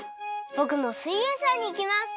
ぼくも「すイエんサー」にいきます！